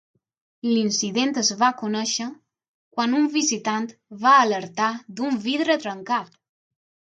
L'incident es va conèixer quan un visitant va alertar d'un vidre trencat.